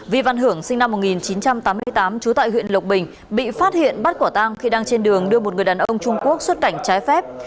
vi văn hưởng sinh năm một nghìn chín trăm tám mươi tám trú tại huyện lộc bình bị phát hiện bắt quả tang khi đang trên đường đưa một người đàn ông trung quốc xuất cảnh trái phép